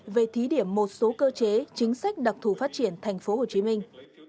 về thí điểm một số cơ chế chính sách đặc thù phát triển thành phố hồ chí minh